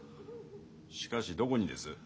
しかしどこにです？